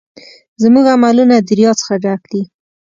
زموږ عملونه د ریا څخه ډک دي.